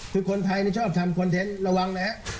คือคนไทยชอบทำคอนเทนต์ระวังนะฮะ